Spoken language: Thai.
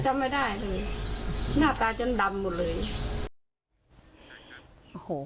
ธรรมไม่ได้เลยหน้าตาจันนด์หมดเลย